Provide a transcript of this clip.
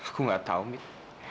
aku gak tau mit